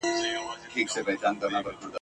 هم خوښي او هم غمونه په ژوندون کي سي راتللای !.